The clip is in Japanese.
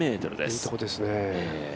いいところですね。